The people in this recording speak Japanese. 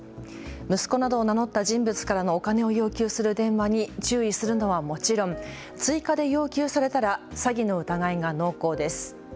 息子などを名乗った人物からのお金を要求する電話に注意するのはもちろん、追加で要求されたら詐欺の疑いが濃厚です。